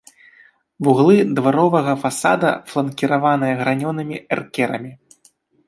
Вуглы дваровага фасада фланкіраваныя гранёнымі эркерамі.